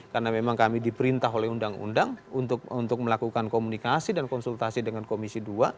karena memang kami diperintah oleh undang undang untuk melakukan komunikasi dan konsultasi dengan komisi dua